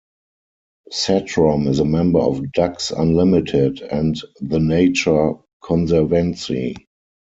Satrom is a member of Ducks Unlimited and the Nature Conservancy.